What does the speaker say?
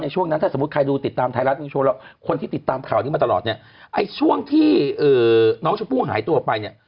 ช่วงที่น้องชมพู่หายตัวไป